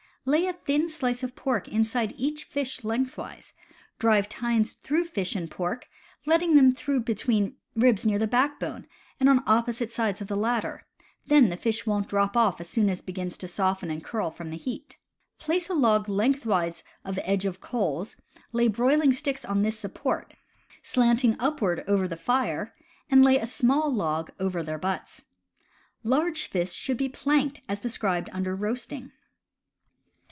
Lay a thin slice of pork inside each fish lengthwise, drive tines through fish and pork, letting them through between ribs near backbone and on opposite sides of the latter — then the fish won't drop off as soon as it begins to soften and curl from the heat. Place a log lengthwise of edge of coals, lay broiling sticks on this support, slanting upward over the fire, and lay a small log over their butts. Large fish should be planked as described under Roasting.